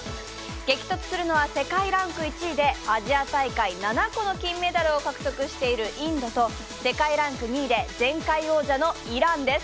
激突するのは世界ランク１位でアジア大会７個の金メダルを獲得しているインドと世界ランク２位で前回王者のイランです。